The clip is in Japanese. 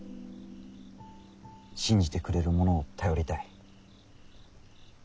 信じてくれる者を頼りたい。